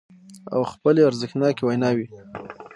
او خپلې ارزښتناکې ويناوې